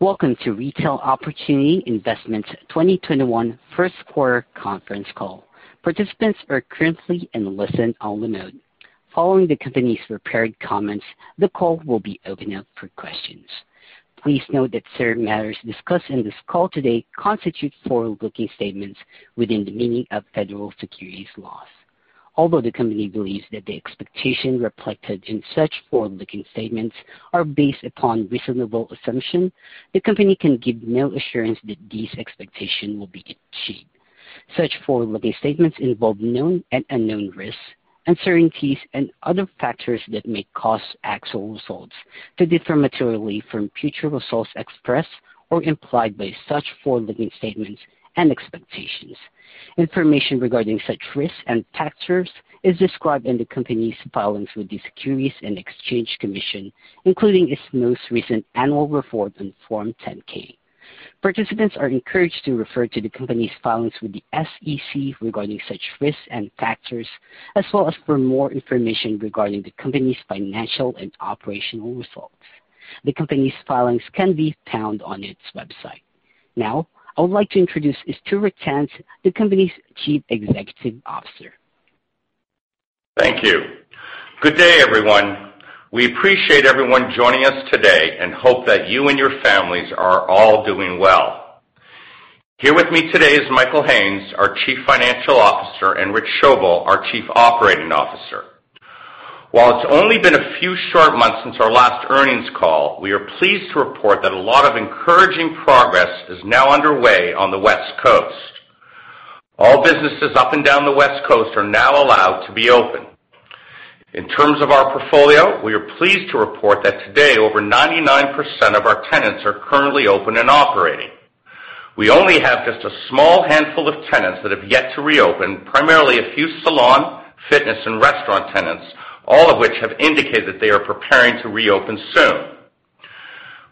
Welcome to Retail Opportunity Investments 2021 first quarter conference call. Participants are currently in listen-only mode. Following the company's prepared comments, the call will be opened up for questions. Please note that certain matters discussed in this call today constitute forward-looking statements within the meaning of federal securities laws. Although the company believes that the expectations reflected in such forward-looking statements are based upon reasonable assumptions, the company can give no assurance that these expectations will be achieved. Such forward-looking statements involve known and unknown risks, uncertainties, and other factors that may cause actual results to differ materially from future results expressed or implied by such forward-looking statements and expectations. Information regarding such risks and factors is described in the company's filings with the Securities and Exchange Commission, including its most recent annual report on Form 10-K. Participants are encouraged to refer to the company's filings with the SEC regarding such risks and factors, as well as for more information regarding the company's financial and operational results. The company's filings can be found on its website. Now, I would like to introduce Stuart Tanz, the company's Chief Executive Officer. Thank you. Good day, everyone. We appreciate everyone joining us today and hope that you and your families are all doing well. Here with me today is Michael Haines, our Chief Financial Officer, and Rich Schoebel, our Chief Operating Officer. While it's only been a few short months since our last earnings call, we are pleased to report that a lot of encouraging progress is now underway on the West Coast. All businesses up and down the West Coast are now allowed to be open. In terms of our portfolio, we are pleased to report that today, over 99% of our tenants are currently open and operating. We only have just a small handful of tenants that have yet to reopen, primarily a few salon, fitness, and restaurant tenants, all of which have indicated they are preparing to reopen soon.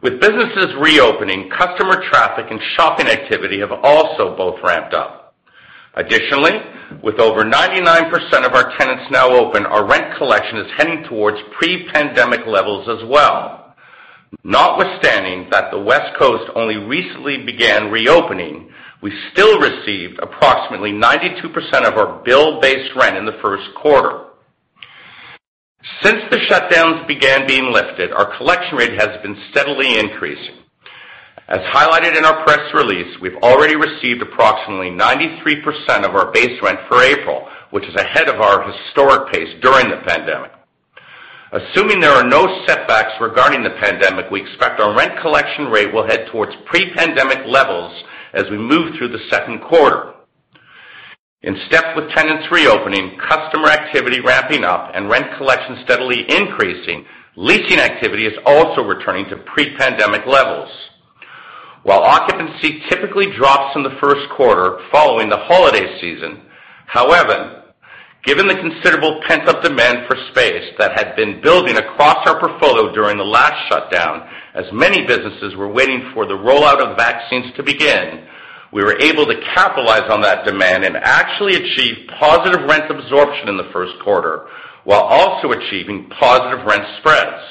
With businesses reopening, customer traffic and shopping activity have also both ramped up. Additionally, with over 99% of our tenants now open, our rent collection is heading towards pre-pandemic levels as well. Notwithstanding that the West Coast only recently began reopening, we still received approximately 92% of our bill-based rent in the first quarter. Since the shutdowns began being lifted, our collection rate has been steadily increasing. As highlighted in our press release, we've already received approximately 93% of our base rent for April, which is ahead of our historic pace during the pandemic. Assuming there are no setbacks regarding the pandemic, we expect our rent collection rate will head towards pre-pandemic levels as we move through the second quarter. In step with tenants reopening, customer activity ramping up, and rent collection steadily increasing, leasing activity is also returning to pre-pandemic levels. While occupancy typically drops in the first quarter following the holiday season, however, given the considerable pent-up demand for space that had been building across our portfolio during the last shutdown, as many businesses were waiting for the rollout of vaccines to begin, we were able to capitalize on that demand and actually achieve positive rent absorption in the first quarter, while also achieving positive rent spreads.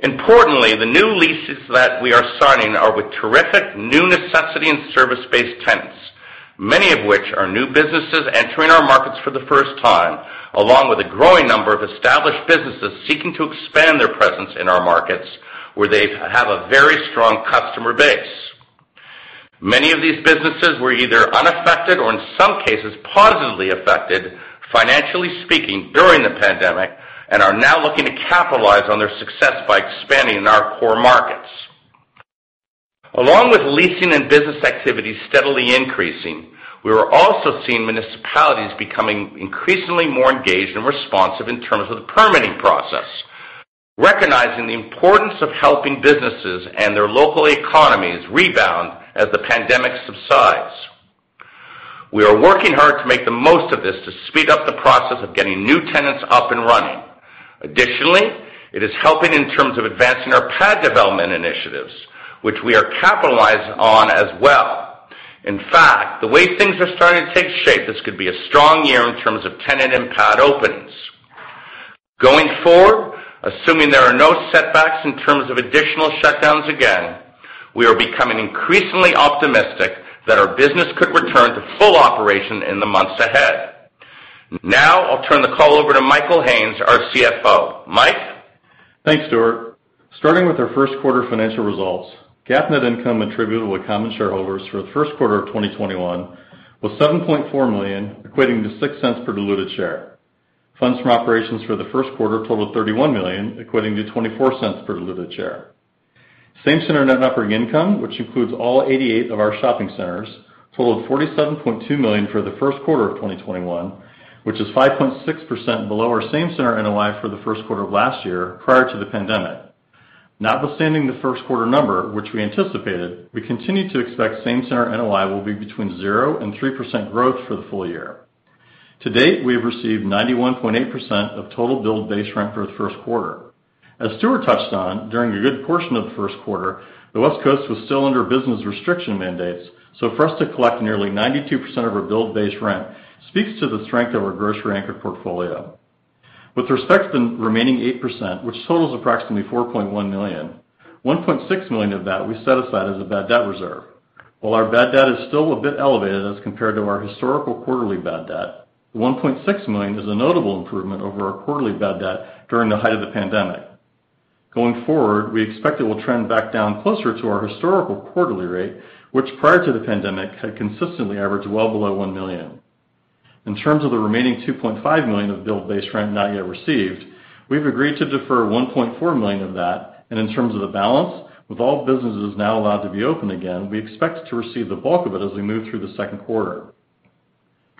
Importantly, the new leases that we are signing are with terrific new necessity and service-based tenants, many of which are new businesses entering our markets for the first time, along with a growing number of established businesses seeking to expand their presence in our markets, where they have a very strong customer base. Many of these businesses were either unaffected or in some cases, positively affected, financially speaking, during the pandemic, and are now looking to capitalize on their success by expanding in our core markets. Along with leasing and business activity steadily increasing, we are also seeing municipalities becoming increasingly more engaged and responsive in terms of the permitting process, recognizing the importance of helping businesses and their local economies rebound as the pandemic subsides. We are working hard to make the most of this to speed up the process of getting new tenants up and running. Additionally, it is helping in terms of advancing our pad development initiatives, which we are capitalizing on as well. In fact, the way things are starting to take shape, this could be a strong year in terms of tenant and pad openings. Going forward, assuming there are no setbacks in terms of additional shutdowns again, we are becoming increasingly optimistic that our business could return to full operation in the months ahead. Now, I'll turn the call over to Michael Haines, our CFO. Mike? Thanks, Stuart. Starting with our first quarter financial results, GAAP net income attributable to common shareholders for the first quarter of 2021 was $7.4 million, equating to $0.06 per diluted share. Funds from operations for the first quarter totaled $31 million, equating to $0.24 per diluted share. Same center net operating income, which includes all 88 of our shopping centers, totaled $47.2 million for the first quarter of 2021, which is 5.6% below our same center NOI for the first quarter of last year prior to the pandemic. Notwithstanding the first quarter number, which we anticipated, we continue to expect same center NOI will be between 0% and 3% growth for the full year. To date, we have received 91.8% of total billed base rent for the first quarter. As Stuart touched on, during a good portion of the first quarter, the West Coast was still under business restriction mandates. For us to collect nearly 92% of our billed base rent speaks to the strength of our grocery anchor portfolio. With respect to the remaining 8%, which totals approximately $4.1 million, $1.6 million of that we set aside as a bad debt reserve. While our bad debt is still a bit elevated as compared to our historical quarterly bad debt, $1.6 million is a notable improvement over our quarterly bad debt during the height of the pandemic. Going forward, we expect it will trend back down closer to our historical quarterly rate, which prior to the pandemic, had consistently averaged well below $1 million. In terms of the remaining $2.5 million of billed base rent not yet received, we've agreed to defer $1.4 million of that. In terms of the balance, with all businesses now allowed to be open again, we expect to receive the bulk of it as we move through the second quarter.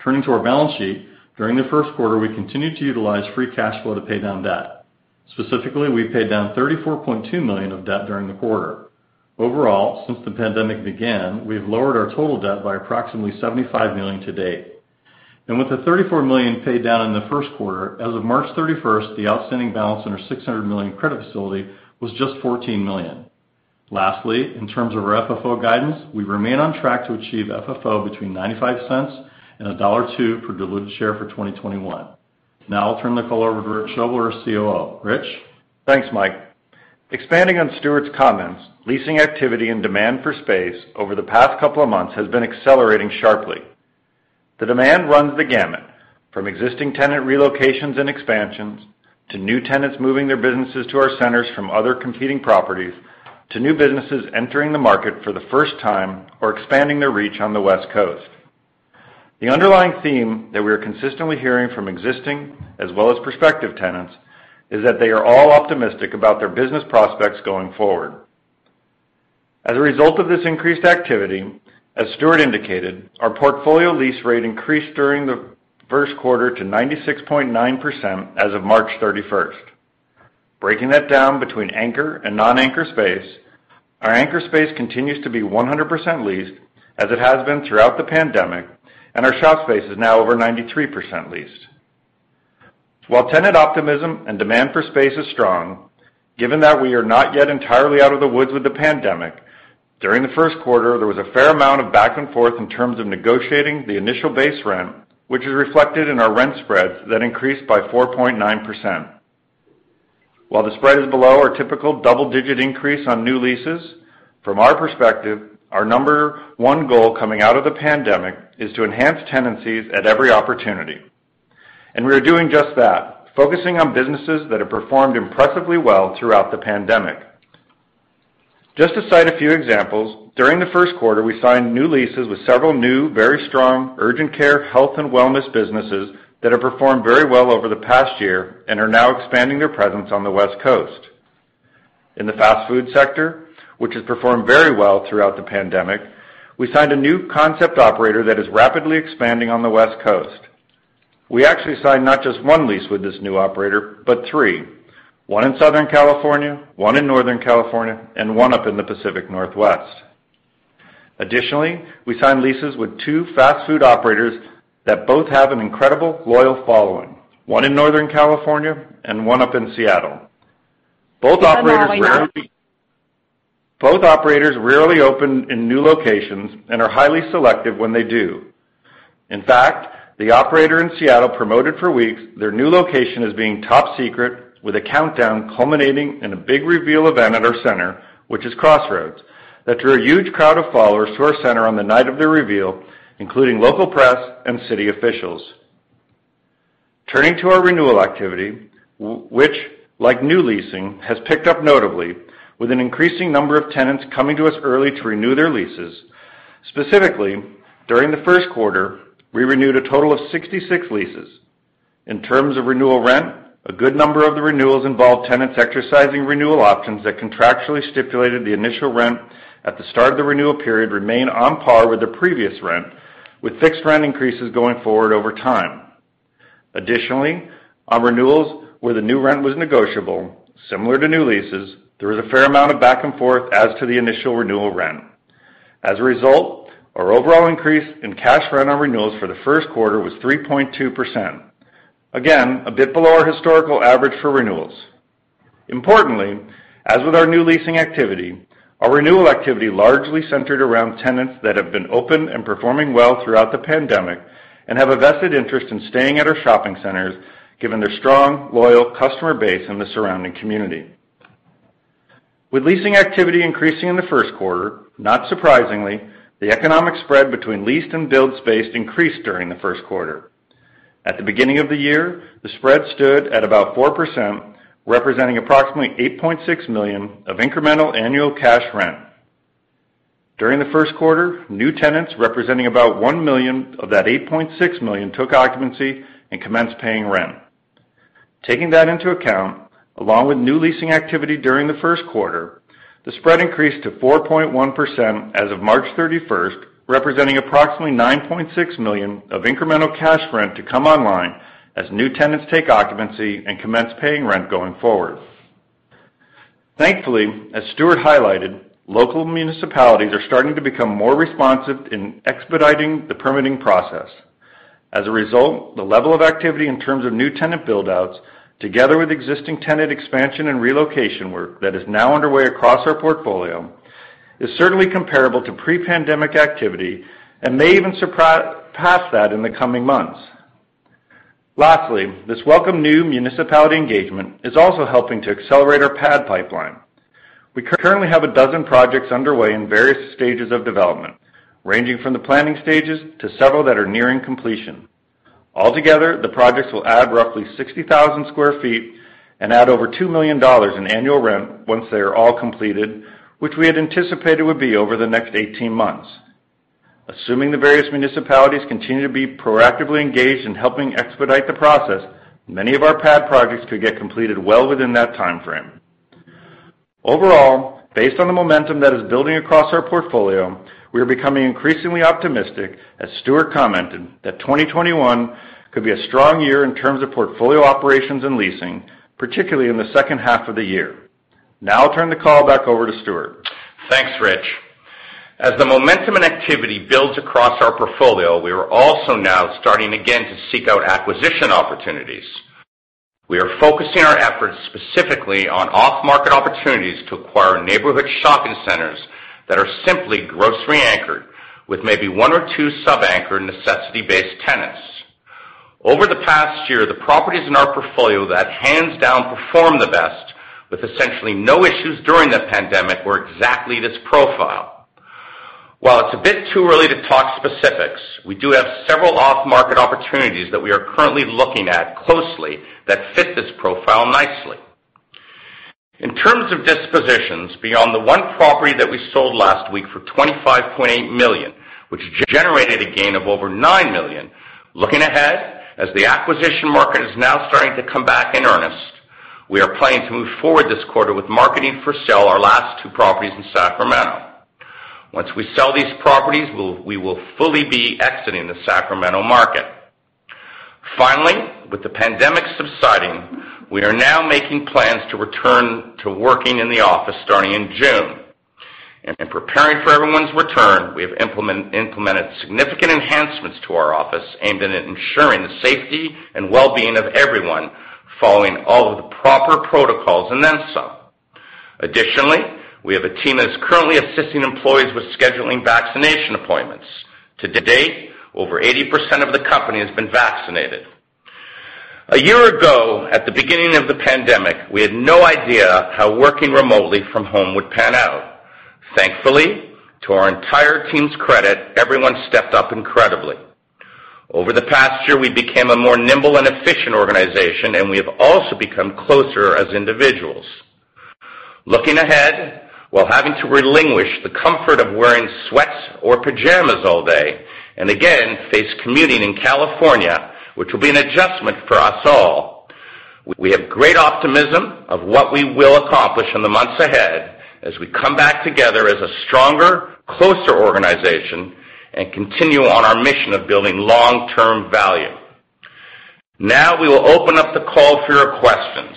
Turning to our balance sheet, during the first quarter, we continued to utilize free cash flow to pay down debt. Specifically, we paid down $34.2 million of debt during the quarter. Overall, since the pandemic began, we've lowered our total debt by approximately $75 million to date. With the $34 million paid down in the first quarter, as of March 31st, the outstanding balance on our $600 million credit facility was just $14 million. Lastly, in terms of our FFO guidance, we remain on track to achieve FFO between $0.95 and $1.02 per diluted share for 2021. Now I'll turn the call over to Rich Schoebel, our COO. Rich? Thanks, Mike. Expanding on Stuart comments, leasing activity and demand for space over the past couple of months has been accelerating sharply. The demand runs the gamut from existing tenant relocations and expansions, to new tenants moving their businesses to our centers from other competing properties, to new businesses entering the market for the first time or expanding their reach on the West Coast. The underlying theme that we are consistently hearing from existing as well as prospective tenants is that they are all optimistic about their business prospects going forward. As a result of this increased activity, as Stuart indicated, our portfolio lease rate increased during the first quarter to 96.9% as of March 31st. Breaking that down between anchor and non-anchor space, our anchor space continues to be 100% leased, as it has been throughout the pandemic, and our shop space is now over 93% leased. While tenant optimism and demand for space is strong, given that we are not yet entirely out of the woods with the pandemic, during the first quarter, there was a fair amount of back and forth in terms of negotiating the initial base rent, which is reflected in our rent spreads that increased by 4.9%. While the spread is below our typical double-digit increase on new leases, from our perspective, our number one goal coming out of the pandemic is to enhance tenancies at every opportunity. We are doing just that, focusing on businesses that have performed impressively well throughout the pandemic. Just to cite a few examples, during the first quarter, we signed new leases with several new, very strong urgent care, health, and wellness businesses that have performed very well over the past year and are now expanding their presence on the West Coast. In the fast food sector, which has performed very well throughout the pandemic, we signed a new concept operator that is rapidly expanding on the West Coast. We actually signed not just one lease with this new operator, but three, one in Southern California, one in Northern California, and one up in the Pacific Northwest. Additionally, we signed leases with two fast food operators that both have an incredible loyal following, one in Northern California and one up in Seattle. Both operators rarely open in new locations and are highly selective when they do. In fact, the operator in Seattle promoted for weeks their new location as being top secret with a countdown culminating in a big reveal event at our center, which is Crossroads, that drew a huge crowd of followers to our center on the night of their reveal, including local press and city officials. Turning to our renewal activity, which like new leasing, has picked up notably with an increasing number of tenants coming to us early to renew their leases. Specifically, during the first quarter, we renewed a total of 66 leases. In terms of renewal rent, a good number of the renewals involved tenants exercising renewal options that contractually stipulated the initial rent at the start of the renewal period remain on par with the previous rent, with fixed rent increases going forward over time. Additionally, on renewals where the new rent was negotiable, similar to new leases, there was a fair amount of back and forth as to the initial renewal rent. As a result, our overall increase in cash rent on renewals for the first quarter was 3.2%. Again, a bit below our historical average for renewals. Importantly, as with our new leasing activity, our renewal activity largely centered around tenants that have been open and performing well throughout the pandemic and have a vested interest in staying at our shopping centers given their strong, loyal customer base in the surrounding community. With leasing activity increasing in the first quarter, not surprisingly, the economic spread between leased and billed space increased during the first quarter. At the beginning of the year, the spread stood at about 4%, representing approximately $8.6 million of incremental annual cash rent. During the first quarter, new tenants representing about $1 million of that $8.6 million took occupancy and commenced paying rent. Taking that into account, along with new leasing activity during the first quarter, the spread increased to 4.1% as of March 31st, representing approximately $9.6 million of incremental cash rent to come online as new tenants take occupancy and commence paying rent going forward. Thankfully, as Stuart highlighted, local municipalities are starting to become more responsive in expediting the permitting process. As a result, the level of activity in terms of new tenant build-outs together with existing tenant expansion and relocation work that is now underway across our portfolio is certainly comparable to pre-pandemic activity and may even surpass that in the coming months. Lastly, this welcome new municipality engagement is also helping to accelerate our pad pipeline. We currently have a dozen projects underway in various stages of development, ranging from the planning stages to several that are nearing completion. Altogether, the projects will add roughly 60,000 sq ft and add over $2 million in annual rent once they are all completed, which we had anticipated would be over the next 18 months. Assuming the various municipalities continue to be proactively engaged in helping expedite the process, many of our pad projects could get completed well within that timeframe. Overall, based on the momentum that is building across our portfolio, we are becoming increasingly optimistic, as Stuart commented, that 2021 could be a strong year in terms of portfolio operations and leasing, particularly in the second half of the year. Now I'll turn the call back over to Stuart. Thanks, Rich. As the momentum and activity builds across our portfolio, we are also now starting again to seek out acquisition opportunities. We are focusing our efforts specifically on off-market opportunities to acquire neighborhood shopping centers that are simply grocery anchored with maybe one or two sub-anchor necessity-based tenants. Over the past year, the properties in our portfolio that hands down performed the best with essentially no issues during the pandemic were exactly this profile. While it's a bit too early to talk specifics, we do have several off-market opportunities that we are currently looking at closely that fit this profile nicely. In terms of dispositions, beyond the one property that we sold last week for $25.8 million, which generated a gain of over $9 million. Looking ahead, as the acquisition market is now starting to come back in earnest, we are planning to move forward this quarter with marketing for sale our last two properties in Sacramento. Once we sell these properties, we will fully be exiting the Sacramento market. Finally, with the pandemic subsiding, we are now making plans to return to working in the office starting in June. In preparing for everyone's return, we have implemented significant enhancements to our office aimed at ensuring the safety and well-being of everyone, following all of the proper protocols and then some. Additionally, we have a team that is currently assisting employees with scheduling vaccination appointments. To date, over 80% of the company has been vaccinated. A year ago, at the beginning of the pandemic, we had no idea how working remotely from home would pan out. Thankfully, to our entire team's credit, everyone stepped up incredibly. Over the past year, we became a more nimble and efficient organization, and we have also become closer as individuals. Looking ahead, while having to relinquish the comfort of wearing sweats or pajamas all day, again, face commuting in California, which will be an adjustment for us all, we have great optimism of what we will accomplish in the months ahead as we come back together as a stronger, closer organization and continue on our mission of building long-term value. We will open up the call for your questions.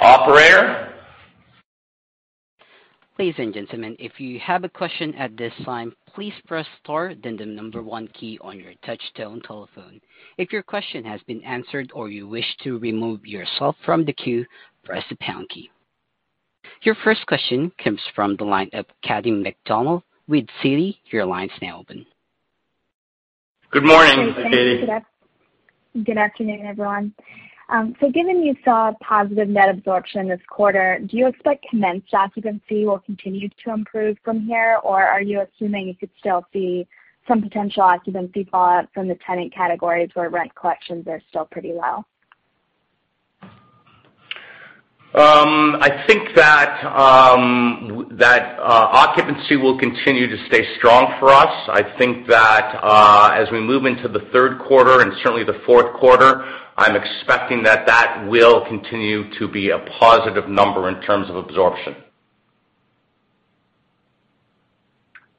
Operator? Ladies and gentlemen, if you have a question at this time, please press star then the number one key on your touch tone telephone. If your question has been answered or you wish to remove yourself from the queue, press the pound key. Your first question comes from the line of Katy McConnell with Citi. Your line is now open. Good morning, Katy. Good afternoon, everyone. Given you saw positive net absorption this quarter, do you expect commenced occupancy will continue to improve from here? Are you assuming you could still see some potential occupancy fall out from the tenant categories where rent collections are still pretty low? I think that occupancy will continue to stay strong for us. I think that as we move into the third quarter and certainly the fourth quarter, I'm expecting that that will continue to be a positive number in terms of absorption.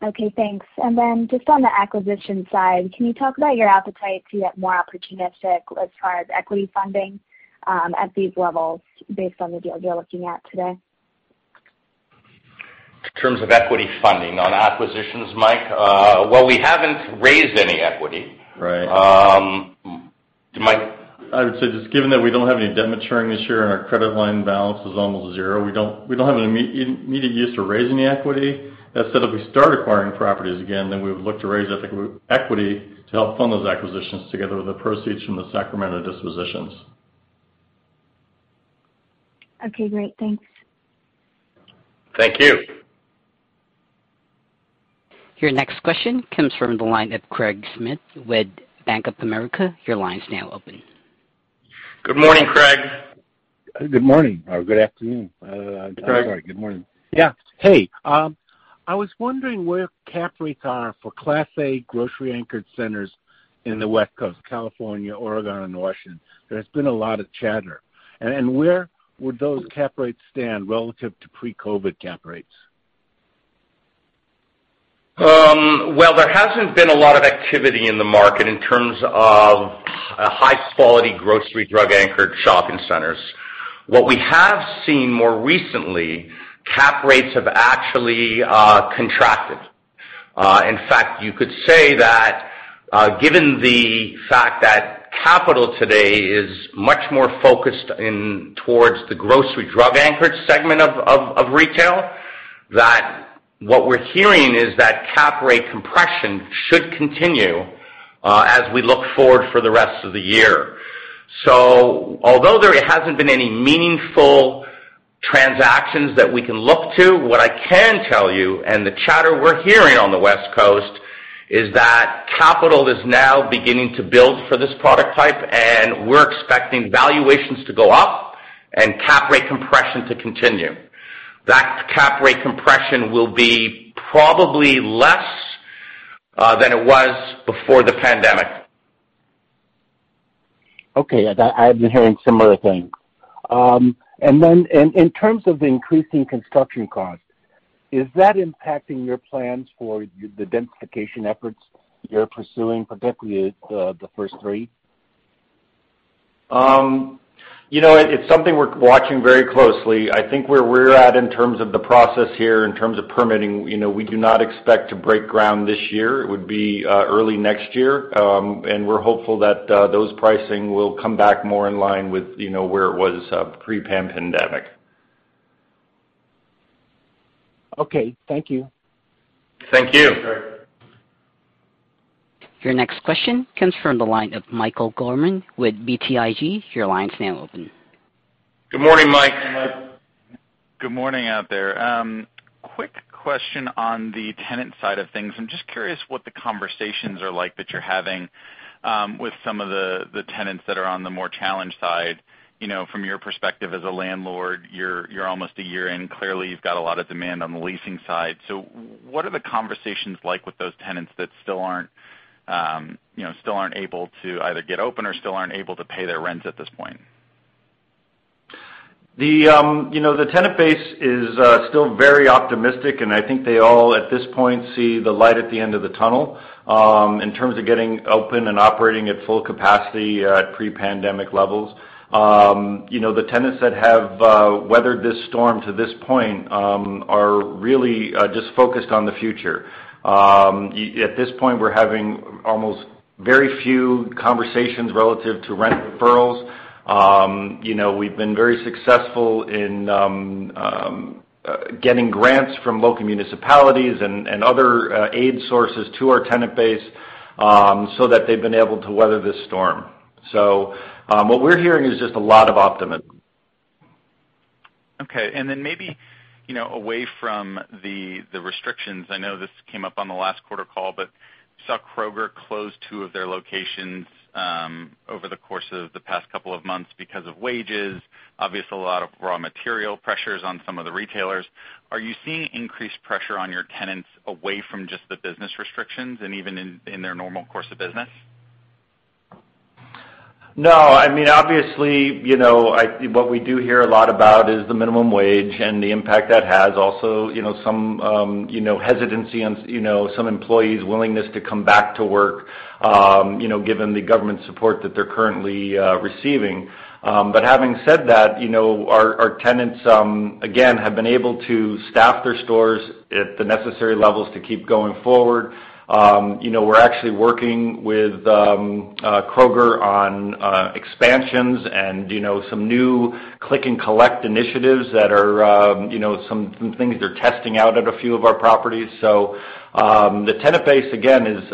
Okay, thanks. Then just on the acquisition side, can you talk about your appetite to get more opportunistic as far as equity funding at these levels based on the deals you're looking at today? In terms of equity funding on acquisitions, Mike? Well, we haven't raised any equity. Right. Mike? I would say just given that we don't have any debt maturing this year and our credit line balance is almost zero, we don't have an immediate use to raise any equity. Instead of we start acquiring properties again, then we would look to raise equity to help fund those acquisitions together with the proceeds from the Sacramento dispositions. Okay, great. Thanks. Thank you. Your next question comes from the line of Craig Schmidt with Bank of America. Your line is now open. Good morning, Craig. Good morning or good afternoon. Hey, I was wondering where cap rates are for Class A grocery anchored centers in the West Coast, California, Oregon, and Washington. There has been a lot of chatter. Where would those cap rates stand relative to pre-COVID cap rates? Well, there hasn't been a lot of activity in the market in terms of high-quality grocery drug anchored shopping centers. What we have seen more recently, cap rates have actually contracted In fact, you could say that given the fact that capital today is much more focused towards the grocery drug anchored segment of retail, that what we're hearing is that cap rate compression should continue as we look forward for the rest of the year. Although there hasn't been any meaningful transactions that we can look to, what I can tell you, and the chatter we're hearing on the West Coast, is that capital is now beginning to build for this product type, and we're expecting valuations to go up and cap rate compression to continue. That cap rate compression will be probably less than it was before the pandemic. Okay. I've been hearing similar things. In terms of the increasing construction cost, is that impacting your plans for the densification efforts you're pursuing, particularly the first three? It's something we're watching very closely. I think where we're at in terms of the process here, in terms of permitting, we do not expect to break ground this year. It would be early next year. We're hopeful that those pricing will come back more in line with where it was pre-pandemic. Okay. Thank you. Thank you. Your next question comes from the line of Michael Gorman with BTIG. Your line's now open. Good morning, Mike. Good morning out there. Quick question on the tenant side of things. I'm just curious what the conversations are like that you're having with some of the tenants that are on the more challenged side. From your perspective as a landlord, you're almost a year in. Clearly, you've got a lot of demand on the leasing side. What are the conversations like with those tenants that still aren't able to either get open or still aren't able to pay their rents at this point? The tenant base is still very optimistic, and I think they all, at this point, see the light at the end of the tunnel in terms of getting open and operating at full capacity at pre-pandemic levels. The tenants that have weathered this storm to this point are really just focused on the future. At this point, we're having almost very few conversations relative to rent deferrals. We've been very successful in getting grants from local municipalities and other aid sources to our tenant base, so that they've been able to weather this storm. What we're hearing is just a lot of optimism. Okay. Then maybe away from the restrictions, I know this came up on the last quarter call, but saw Kroger close two of their locations over the course of the past couple of months because of wages. Obviously, a lot of raw material pressures on some of the retailers. Are you seeing increased pressure on your tenants away from just the business restrictions and even in their normal course of business? No. Obviously, what we do hear a lot about is the minimum wage and the impact that has. Also, some hesitancy on some employees' willingness to come back to work given the government support that they're currently receiving. Having said that, our tenants, again, have been able to staff their stores at the necessary levels to keep going forward. We're actually working with Kroger on expansions and some new click and collect initiatives that are some things they're testing out at a few of our properties. The tenant base, again, is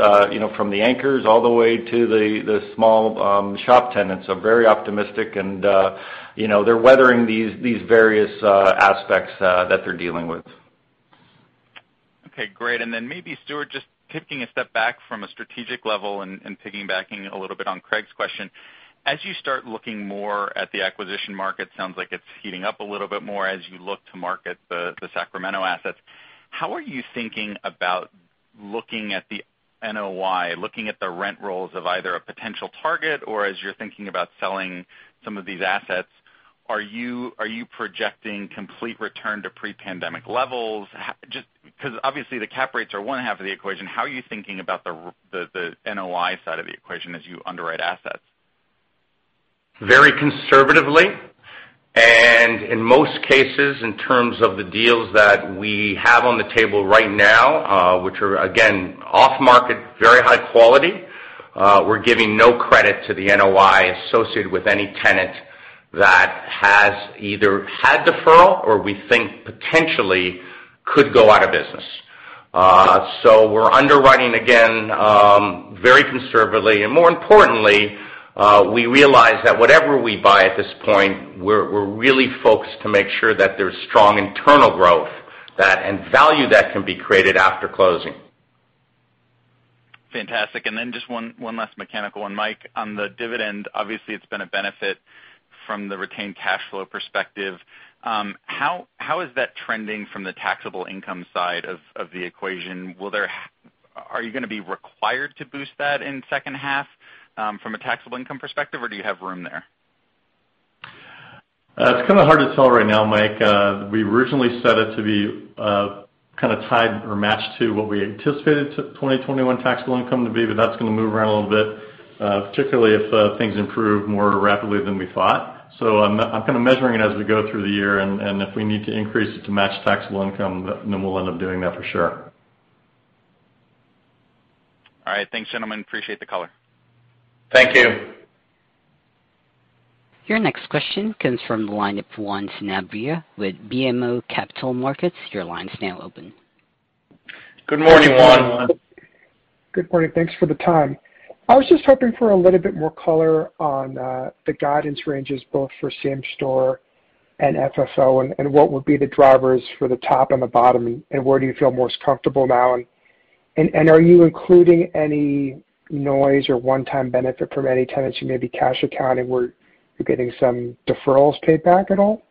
from the anchors all the way to the small shop tenants, are very optimistic, and they're weathering these various aspects that they're dealing with. Okay, great. maybe, Stuart, just taking a step back from a strategic level and piggybacking a little bit on Craig question, as you start looking more at the acquisition market, sounds like it's heating up a little bit more as you look to market the Sacramento assets, how are you thinking about looking at the NOI, looking at the rent rolls of either a potential target, or as you're thinking about selling some of these assets, are you projecting complete return to pre-pandemic levels? Because obviously, the cap rates are one half of the equation. How are you thinking about the NOI side of the equation as you underwrite assets? Very conservatively. In most cases, in terms of the deals that we have on the table right now, which are again, off market, very high quality, we're giving no credit to the NOI associated with any tenant that has either had deferral or we think potentially could go out of business. We're underwriting again, very conservatively. More importantly, we realize that whatever we buy at this point, we're really focused to make sure that there's strong internal growth and value that can be created after closing. Fantastic. Just one last mechanical one. Mike, on the dividend, obviously it's been a benefit from the retained cash flow perspective. How is that trending from the taxable income side of the equation? Are you going to be required to boost that in second half from a taxable income perspective, or do you have room there? It's kind of hard to tell right now, Mike. We originally set it to be kind of tied or matched to what we anticipated 2021 taxable income to be, but that's going to move around a little bit, particularly if things improve more rapidly than we thought. I'm kind of measuring it as we go through the year, and if we need to increase it to match taxable income, then we'll end up doing that for sure. All right. Thanks, gentlemen. Appreciate the color. Thank you. Your next question comes from the line of Juan Sanabria with BMO Capital Markets. Your line's now open. Good morning, Juan. Good morning. Thanks for the time. I was just hoping for a little bit more color on the guidance ranges, both for same store and FFO, and what would be the drivers for the top and the bottom, and where do you feel most comfortable now? Are you including any noise or one-time benefit from any tenants who may be cash accounting, where you're getting some deferrals paid back at all?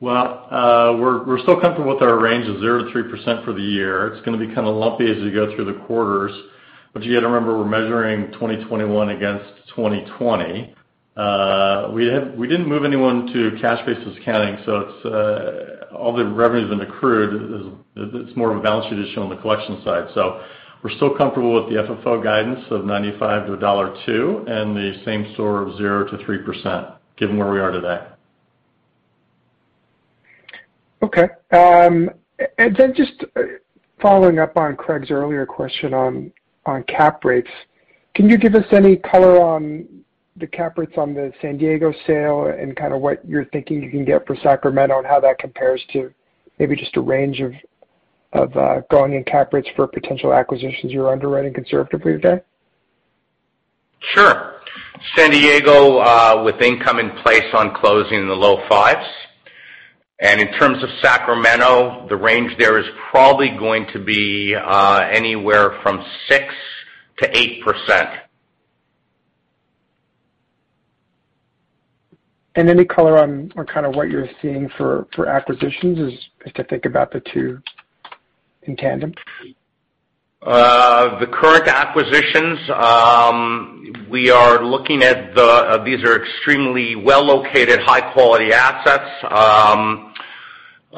Well, we're still comfortable with our range of 0%-3% for the year. It's going to be kind of lumpy as you go through the quarters, but you got to remember, we're measuring 2021 against 2020. We didn't move anyone to cash basis accounting, so all the revenue's been accrued. It's more of a balance sheet issue on the collection side. We're still comfortable with the FFO guidance of $95-$1.02, and the same store of 0%-3%, given where we are today. Okay. Just following up on Craig's earlier question on cap rates, can you give us any color on the cap rates on the San Diego sale and kind of what you're thinking you can get for Sacramento, and how that compares to maybe just a range of going in cap rates for potential acquisitions you're underwriting conservatively today? Sure. San Diego, with income in place on closing in the low fives. In terms of Sacramento, the range there is probably going to be anywhere from 6%-8%. Any color on kind of what you're seeing for acquisitions, as I think about the two in tandem? The current acquisitions, we are looking at these are extremely well-located, high-quality assets.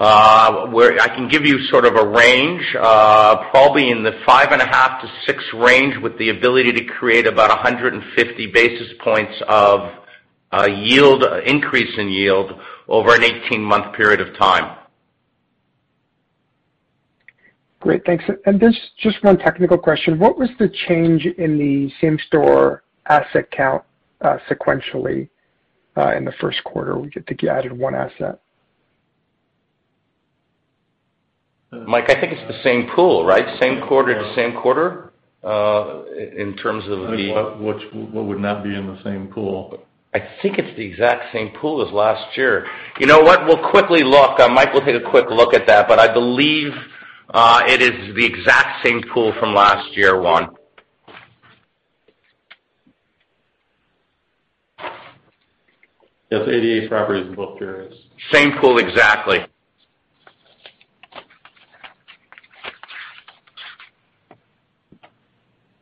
I can give you sort of a range, probably in the 5.5 to six range, with the ability to create about 150 basis points of increase in yield over an 18-month period of time. Great. Thanks. just one technical question. What was the change in the same-store asset count, sequentially, in the first quarter? I think you added one asset. Mike, I think it's the same pool, right? Same quarter to same quarter, in terms of the. What would not be in the same pool? I think it's the exact same pool as last year. You know what? We'll quickly look. Mike will take a quick look at that, but I believe it is the exact same pool from last year, Juan. Yes, 88 properties in both years. Same pool exactly.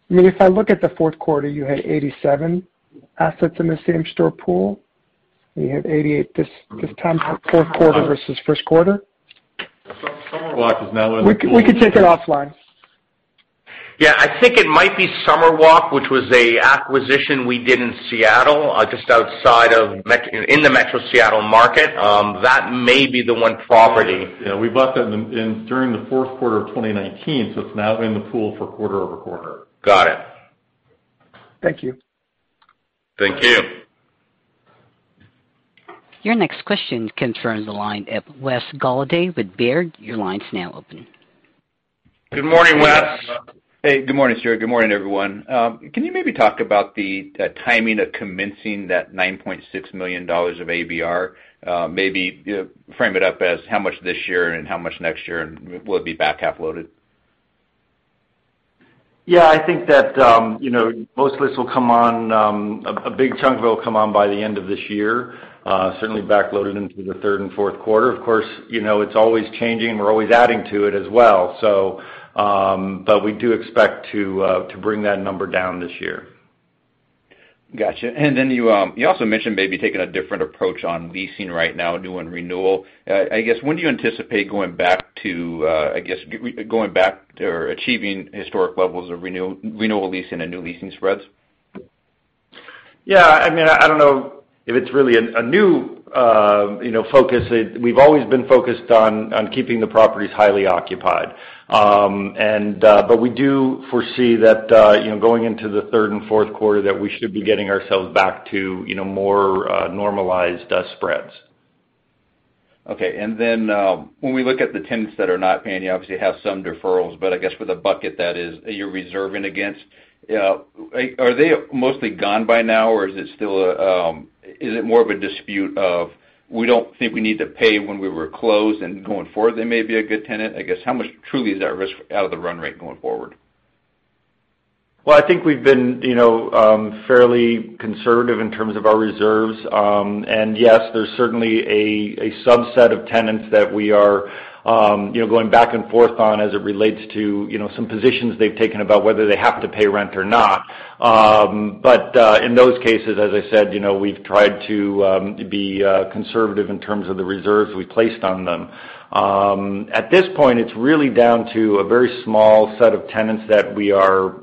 I mean, if I look at the fourth quarter, you had 87 assets in the same store pool, and you have 88 this time, fourth quarter versus first quarter? Summer Walk is now in the pool. We could take it offline. Yeah, I think it might be Summer Walk, which was an acquisition we did in Seattle, just in the Metro Seattle market. That may be the one property. Yeah, we bought that during the fourth quarter of 2019, so it's now in the pool for quarter-over-quarter. Got it. Thank you. Thank you. Your next question comes from the line of Wes Golladay with Baird. Your line's now open. Good morning, Wes. Hey. Good morning, Stuart. Good morning, everyone. Can you maybe talk about the timing of commencing that $9.6 million of ABR? Maybe frame it up as how much this year and how much next year, and will it be back half-loaded? Yeah, I think that most of this will come on, a big chunk of it will come on by the end of this year. Certainly back loaded into the third and fourth quarter. Of course, it's always changing. We're always adding to it as well. We do expect to bring that number down this year. Got you. You also mentioned maybe taking a different approach on leasing right now, new and renewal. I guess when do you anticipate going back to achieving historic levels of renewal leasing and new leasing spreads? Yeah, I don't know if it's really a new focus. We've always been focused on keeping the properties highly occupied. we do foresee that, going into the third and fourth quarter, that we should be getting ourselves back to more normalized spreads. Okay. when we look at the tenants that are not paying, you obviously have some deferrals, but I guess with a bucket that is, you're reserving against. Are they mostly gone by now, or is it more of a dispute of, we don't think we need to pay when we were closed, and going forward, they may be a good tenant? I guess, how much truly is that risk out of the run rate going forward? Well, I think we've been fairly conservative in terms of our reserves. Yes, there's certainly a subset of tenants that we are going back and forth on as it relates to some positions they've taken about whether they have to pay rent or not. In those cases, as I said, we've tried to be conservative in terms of the reserves we placed on them. At this point, it's really down to a very small set of tenants that we are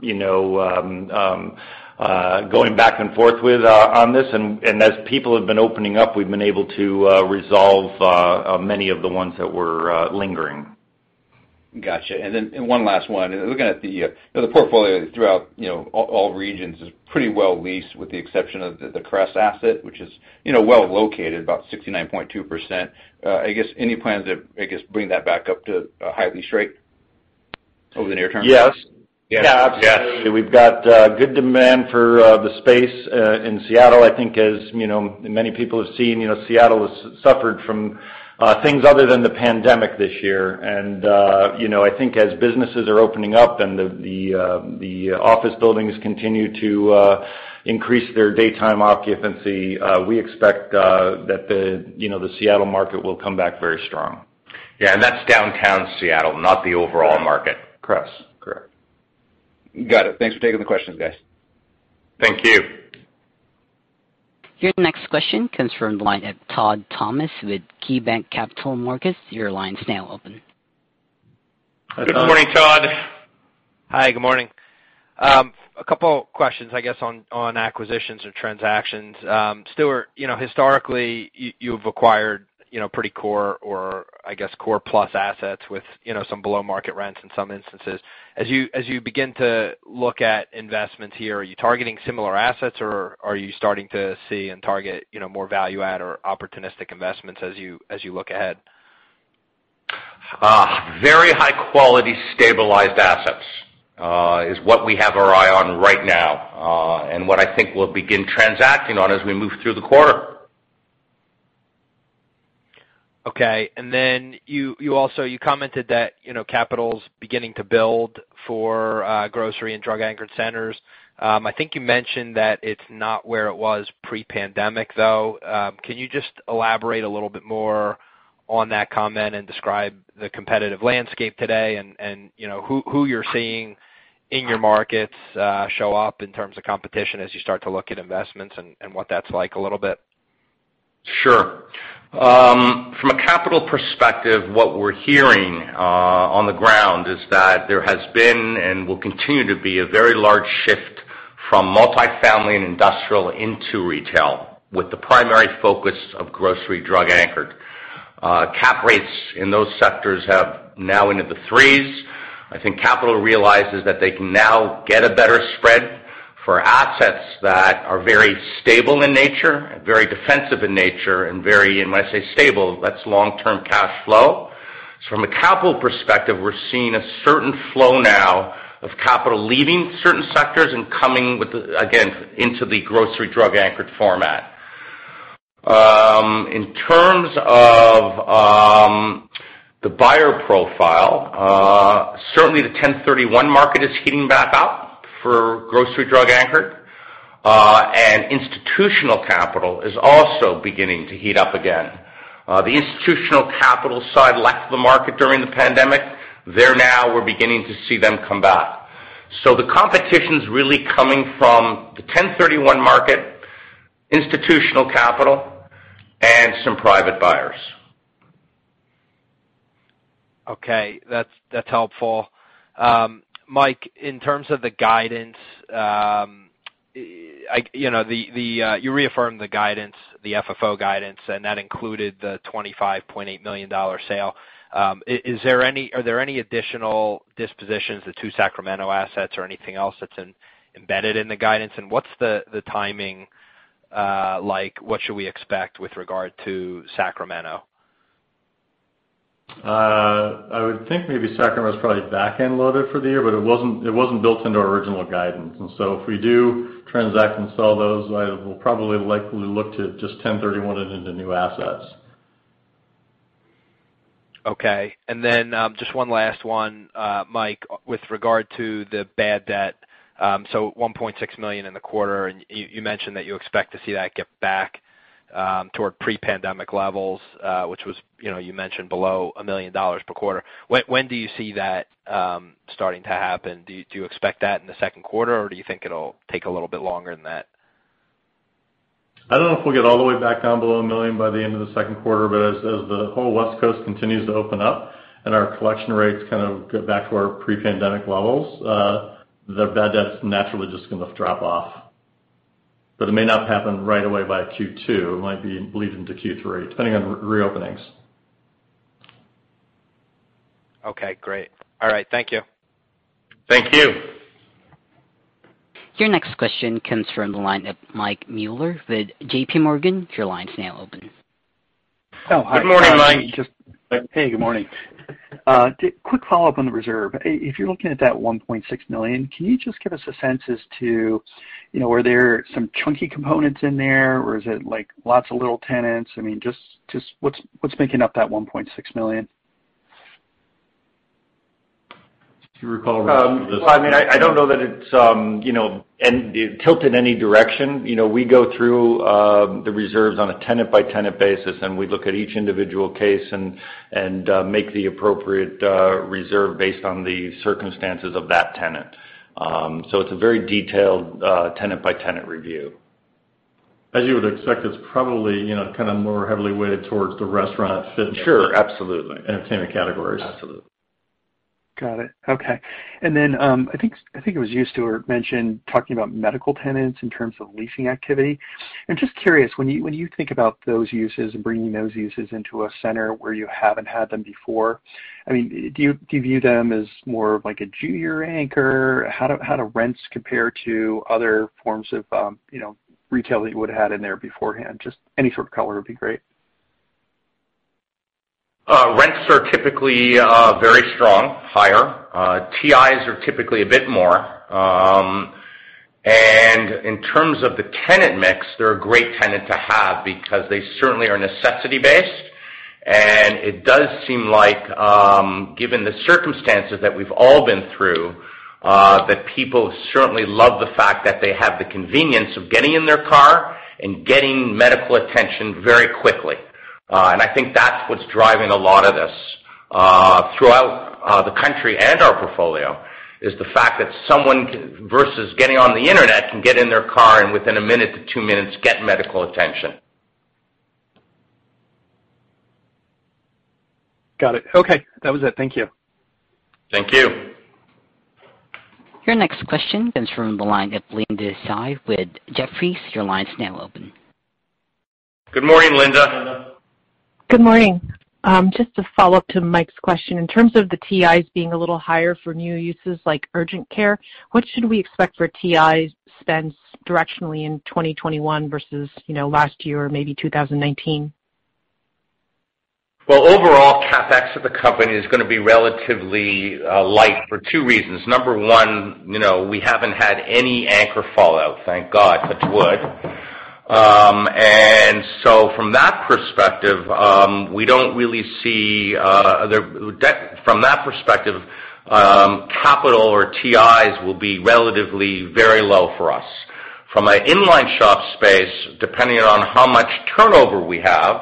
going back and forth with on this. As people have been opening up, we've been able to resolve many of the ones that were lingering. Got you. One last one. Looking at the portfolio throughout all regions is pretty well leased with the exception of the Kress asset, which is well located, about 69.2%. I guess, any plans to, I guess, bring that back up to a high lease rate over the near term? Yes. Yes. Yeah, absolutely. We've got good demand for the space in Seattle. I think as many people have seen, Seattle has suffered from things other than the pandemic this year. I think as businesses are opening up and the office buildings continue to increase their daytime occupancy, we expect that the Seattle market will come back very strong. Yeah, that's downtown Seattle, not the overall market. Cress. Correct. Got it. Thanks for taking the questions, guys. Thank you. Your next question comes from the line of Todd Thomas with KeyBanc Capital Markets. Your line is now open. Good morning, Todd. Hi, good morning. A couple questions, I guess, on acquisitions or transactions. Stuart, historically, you've acquired pretty core or I guess core plus assets with some below-market rents in some instances. As you begin to look at investments here, are you targeting similar assets, or are you starting to see and target more value add or opportunistic investments as you look ahead? Very high-quality stabilized assets is what we have our eye on right now. what I think we'll begin transacting on as we move through the quarter. Okay. You also commented that capital's beginning to build for grocery and drug anchored centers. I think you mentioned that it's not where it was pre-pandemic, though. Can you just elaborate a little bit more on that comment and describe the competitive landscape today and who you're seeing in your markets show up in terms of competition as you start to look at investments and what that's like a little bit? Sure. From a capital perspective, what we're hearing on the ground is that there has been and will continue to be a very large shift from multi-family and industrial into retail, with the primary focus of grocery drug anchored. Cap rates in those sectors have now into the threes. I think capital realizes that they can now get a better spread for assets that are very stable in nature, very defensive in nature, and very, when I say stable, that's long-term cash flow. From a capital perspective, we're seeing a certain flow now of capital leaving certain sectors and coming, again, into the grocery drug anchored format. In terms of the buyer profile, certainly the 1031 market is heating back up for grocery drug anchored. Institutional capital is also beginning to heat up again. The institutional capital side left the market during the pandemic. They're now, we're beginning to see them come back. the competition's really coming from the 1031 market, institutional capital, and some private buyers. Okay. That's helpful. Mike, in terms of the guidance, you reaffirmed the guidance, the FFO guidance, and that included the $25.8 million sale. Are there any additional dispositions, the two Sacramento assets or anything else that's embedded in the guidance, and what's the timing like? What should we expect with regard to Sacramento? I would think maybe Sacramento is probably back-end loaded for the year, but it wasn't built into our original guidance. If we do transact and sell those, we'll probably likely look to just 1031 it into new assets. Okay. Just one last one. Mike, with regard to the bad debt, so $1.6 million in the quarter, and you mentioned that you expect to see that get back toward pre-pandemic levels, which was, you mentioned below $1 million per quarter. When do you see that starting to happen? Do you expect that in the second quarter, or do you think it'll take a little bit longer than that? I don't know if we'll get all the way back down below a million by the end of the second quarter, but as the whole West Coast continues to open up and our collection rates kind of get back to our pre-pandemic levels, the bad debt's naturally just going to drop off. It may not happen right away by Q2. It might be leading to Q3, depending on reopenings. Okay, great. All right. Thank you. Thank you. Your next question comes from the line of Mike Mueller with JPMorgan. Your line is now open. Oh, hi. Good morning, Mike. Hey, good morning. Quick follow-up on the reserve. If you're looking at that $1.6 million, can you just give us a sense as to, were there some chunky components in there, or is it lots of little tenants? I mean, just what's making up that $1.6 million? Well, I mean, I don't know that it's tilted in any direction. We go through the reserves on a tenant-by-tenant basis, and we look at each individual case and make the appropriate reserve based on the circumstances of that tenant. It's a very detailed tenant-by-tenant review As you would expect, it's probably more heavily weighted towards the restaurant and fitness Sure. Absolutely entertainment categories. Absolutely. Got it. Okay. I think it was you, Stuart, mentioned talking about medical tenants in terms of leasing activity. I'm just curious, when you think about those uses and bringing those uses into a center where you haven't had them before, do you view them as more of like a junior anchor? How do rents compare to other forms of retail that you would've had in there beforehand? Just any sort of color would be great. Rents are typically very strong, higher. TIs are typically a bit more. In terms of the tenant mix, they're a great tenant to have because they certainly are necessity based. It does seem like, given the circumstances that we've all been through, that people certainly love the fact that they have the convenience of getting in their car and getting medical attention very quickly. I think that's what's driving a lot of this, throughout the country and our portfolio, is the fact that someone versus getting on the internet, can get in their car and within a minute to two minutes, get medical attention. Got it. Okay. That was it. Thank you. Thank you. Your next question comes from the line of Linda Tsai with Jefferies. Your line's now open. Good morning, Linda. Good morning. Just to follow up to Mike's question, in terms of the TIs being a little higher for new uses like urgent care, what should we expect for TI spends directionally in 2021 versus last year or maybe 2019? Well, overall, CapEx of the company is going to be relatively light for two reasons. Number one, we haven't had any anchor fallout, thank God, touch wood. From that perspective, capital or TIs will be relatively very low for us. From an inline shop space, depending on how much turnover we have,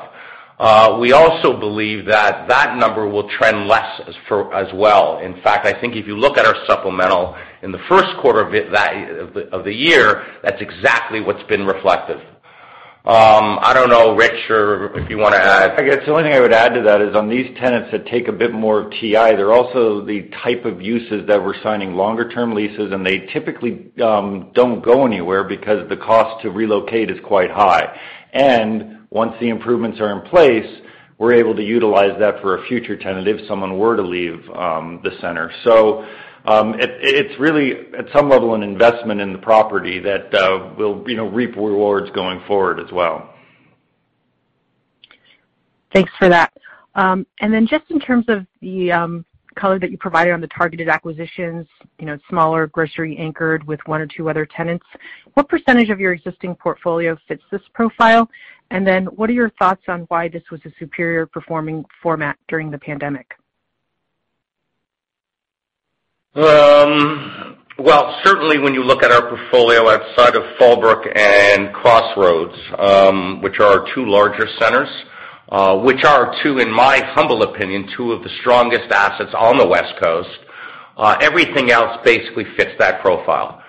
we also believe that that number will trend less as well. In fact, I think if you look at our supplemental in the first quarter of the year, that's exactly what's been reflected. I don't know, Rich, if you want to add. I guess the only thing I would add to that is on these tenants that take a bit more of TI, they're also the type of uses that we're signing longer term leases, and they typically don't go anywhere because the cost to relocate is quite high. Once the improvements are in place, we're able to utilize that for a future tenant if someone were to leave the center. It's really, at some level, an investment in the property that will reap rewards going forward as well. Thanks for that. Just in terms of the color that you provided on the targeted acquisitions, smaller grocery anchored with one or two other tenants, what percentage of your existing portfolio fits this profile? What are your thoughts on why this was a superior performing format during the pandemic? Well, certainly when you look at our portfolio outside of Fallbrook and Crossroads, which are our two larger centers, which are two, in my humble opinion, two of the strongest assets on the West Coast, everything else basically fits that profile.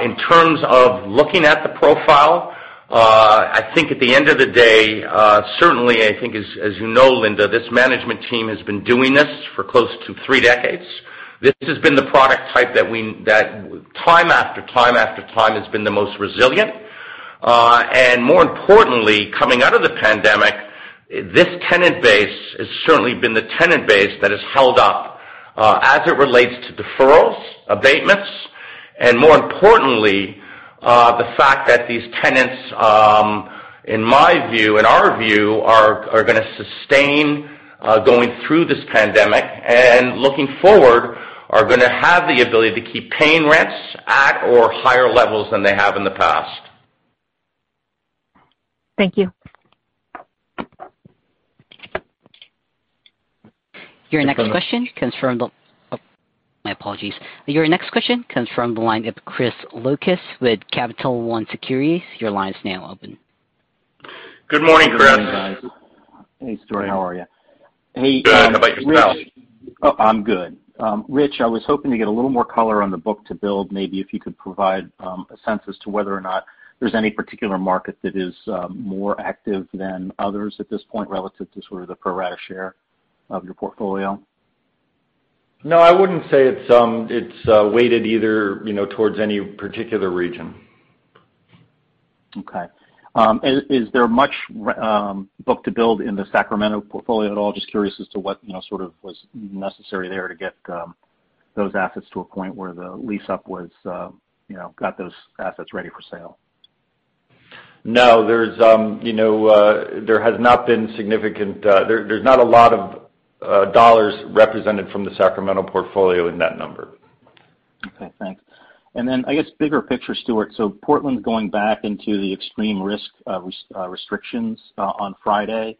In terms of looking at the profile, I think at the end of the day, certainly, I think as you know, Linda, this management team has been doing this for close to three decades. This has been the product type that time after time, has been the most resilient. More importantly, coming out of the pandemic, this tenant base has certainly been the tenant base that has held up, as it relates to deferrals, abatements, and more importantly, the fact that these tenants, in my view, in our view, are going to sustain, going through this pandemic, and looking forward, are going to have the ability to keep paying rents at or higher levels than they have in the past. Thank you. My apologies. Your next question comes from the line of Chris Lucas with Capital One Securities. Your line is now open. Good morning, Chris. Good morning, guys. Hey, Stuart. How are you? Good. How about yourself? Oh, I'm good. Rich, I was hoping to get a little more color on the book-to-bill. Maybe if you could provide a sense as to whether or not there's any particular market that is more active than others at this point relative to sort of the pro rata share of your portfolio. No, I wouldn't say it's weighted either towards any particular region. Okay. Is there much book-to-build in the Sacramento portfolio at all? Just curious as to what sort of was necessary there to get those assets to a point where the lease up got those assets ready for sale. No. There is not a lot of dollars represented from the Sacramento portfolio in that number. Okay, thanks. I guess bigger picture, Stuart. Portland's going back into the extreme risk restrictions on Friday.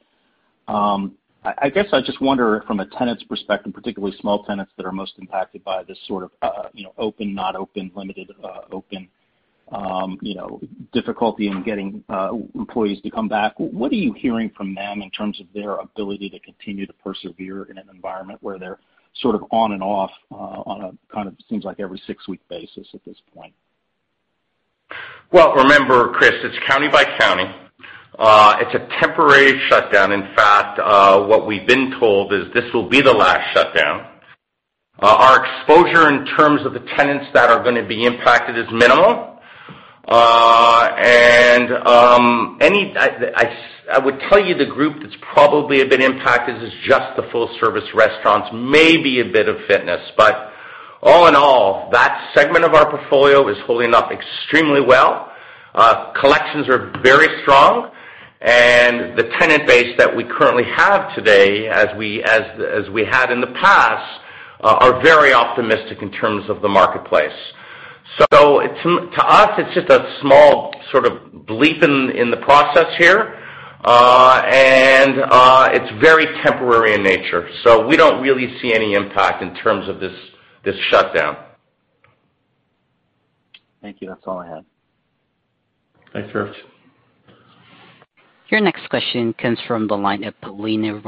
I guess I just wonder from a tenant's perspective, particularly small tenants that are most impacted by this sort of open, not open, limited open, difficulty in getting employees to come back. What are you hearing from them in terms of their ability to continue to persevere in an environment where they're sort of on and off on a kind of seems like every six-week basis at this point? Well, remember, Chris, it's county by county. It's a temporary shutdown. In fact, what we've been told is this will be the last shutdown. Our exposure in terms of the tenants that are going to be impacted is minimal. I would tell you the group that's probably been impacted is just the full service restaurants, maybe a bit of fitness. All in all, that segment of our portfolio is holding up extremely well. Collections are very strong, the tenant base that we currently have today, as we had in the past, are very optimistic in terms of the marketplace. To us, it's just a small sort of blip in the process here. It's very temporary in nature, so we don't really see any impact in terms of this shutdown. Thank you. That's all I had. Thanks, Chris. Your next question comes from the line of Paulina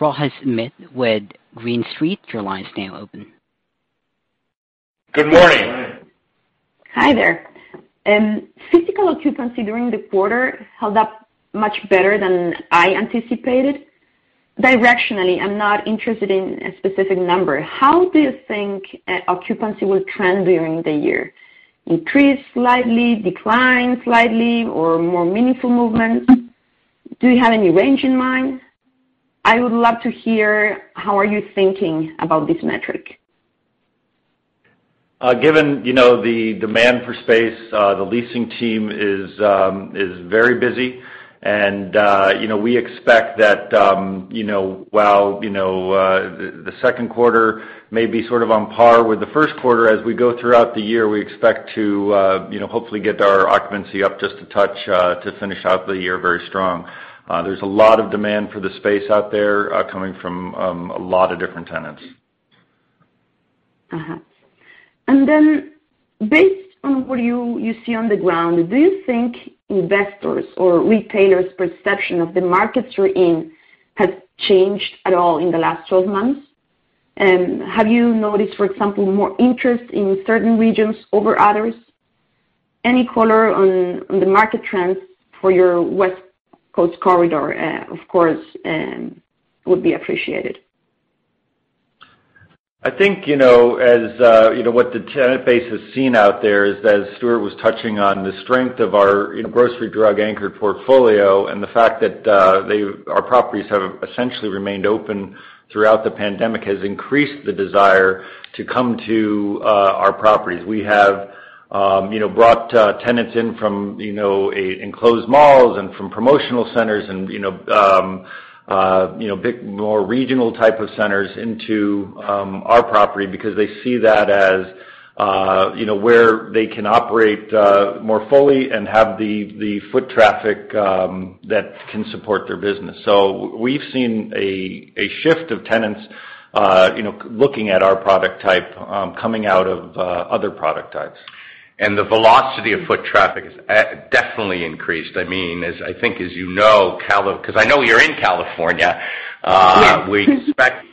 Rojas Schmidt with Green Street. Your line is now open. Good morning. Good morning. Hi there. Physical occupancy during the quarter held up much better than I anticipated. Directionally, I'm not interested in a specific number. How do you think occupancy will trend during the year? Increase slightly, decline slightly or more meaningful movement? Do you have any range in mind? I would love to hear how are you thinking about this metric. Given the demand for space, the leasing team is very busy. We expect that while the second quarter may be sort of on par with the first quarter, as we go throughout the year, we expect to hopefully get our occupancy up just a touch to finish out the year very strong. There's a lot of demand for the space out there coming from a lot of different tenants. Based on what you see on the ground, do you think investors' or retailers' perception of the markets you're in has changed at all in the last 12 months? Have you noticed, for example, more interest in certain regions over others? Any color on the market trends for your West Coast corridor, of course, would be appreciated. I think what the tenant base has seen out there is that Stuart was touching on the strength of our grocery drug anchor portfolio and the fact that our properties have essentially remained open throughout the pandemic has increased the desire to come to our properties. We have brought tenants in from enclosed malls and from promotional centers and big more regional type of centers into our property because they see that as where they can operate more fully and have the foot traffic that can support their business. We've seen a shift of tenants looking at our product type coming out of other product types. The velocity of foot traffic has definitely increased. I think as you know, because I know you're in California. Yes We expect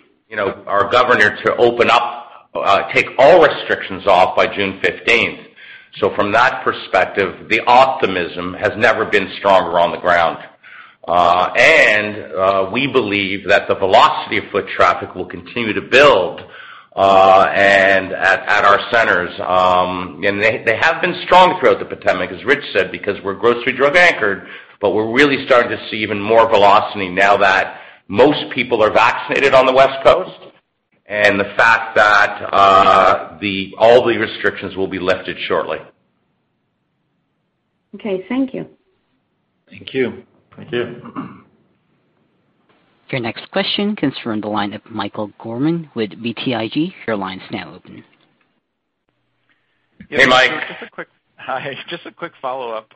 our Governor to open up, take all restrictions off by June 15th. From that perspective, the optimism has never been stronger on the ground. We believe that the velocity of foot traffic will continue to build at our centers. They have been strong throughout the pandemic, as Rich said, because we're grocery drug anchored, but we're really starting to see even more velocity now that most people are vaccinated on the West Coast and the fact that all the restrictions will be lifted shortly. Okay. Thank you. Thank you. Thank you. Your next question comes from the line of Michael Gorman with BTIG. Your line is now open. Hey, Mike. Hey, Stuart. Hi. Just a quick follow-up.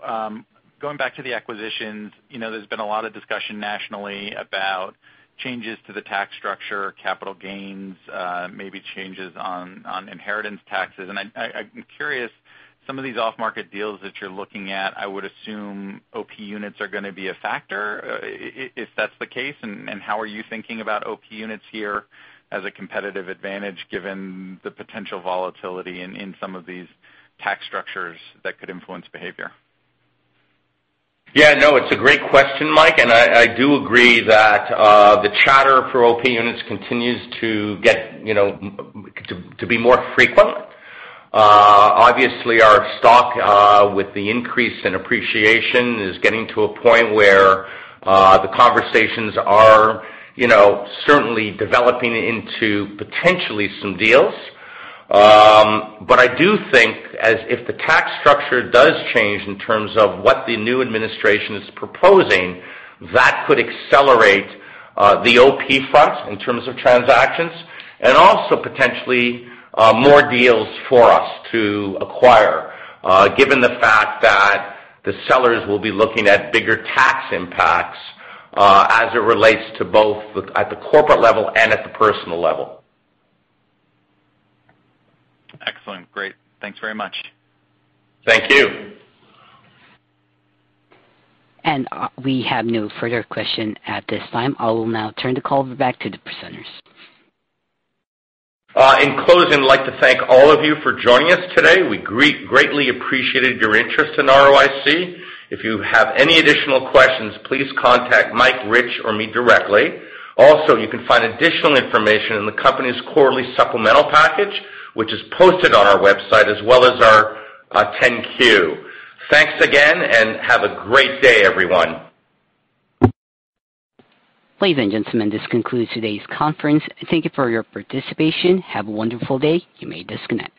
Going back to the acquisitions, there's been a lot of discussion nationally about changes to the tax structure, capital gains, maybe changes on inheritance taxes. I'm curious, some of these off-market deals that you're looking at, I would assume OP units are going to be a factor. If that's the case, how are you thinking about OP units here as a competitive advantage given the potential volatility in some of these tax structures that could influence behavior? Yeah, no, it's a great question, Mike. I do agree that the chatter for OP units continues to be more frequent. Obviously, our stock with the increase in appreciation is getting to a point where the conversations are certainly developing into potentially some deals. I do think as if the tax structure does change in terms of what the new administration is proposing, that could accelerate the OP front in terms of transactions and also potentially more deals for us to acquire, given the fact that the sellers will be looking at bigger tax impacts as it relates to both at the corporate level and at the personal level. Excellent. Great. Thanks very much. Thank you. We have no further question at this time. I will now turn the call back to the presenters. In closing, I'd like to thank all of you for joining us today. We greatly appreciated your interest in ROIC. If you have any additional questions, please contact Mike, Rich, or me directly. You can find additional information in the company's quarterly supplemental package, which is posted on our website as well as our 10-Q. Thanks again, and have a great day, everyone. Ladies and gentlemen, this concludes today's conference. Thank you for your participation. Have a wonderful day. You may disconnect.